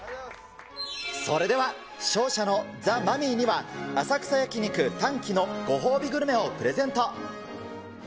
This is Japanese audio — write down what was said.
それでは、勝者のザ・マミィには、浅草焼肉たん鬼のご褒美グルメをプレゼント。